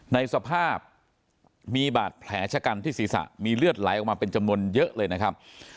ในสภาพมีบาดแผลชะกันที่ศีรษะมีเลือดไหลออกมาเป็นจำนวนเยอะเลยนะครับ